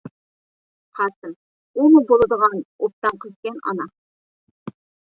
قاسىم: ئۇمۇ بولىدىغان ئوبدان قىزكەن ئانا!